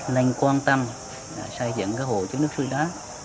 nên quan tâm xây dựng cái hồ chứa nước suối đá